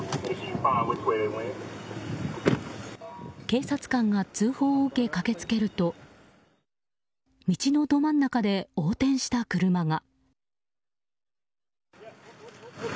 警察官が通報を受け駆けつけると道のど真ん中で横転した車が。